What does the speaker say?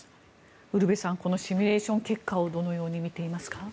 ウルヴェさんこのシミュレーション結果をどのようにみていますか？